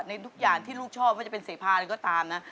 ทุกอย่างที่ลูกชอบว่าจะเป็นเสพาอะไรก็ตามนะ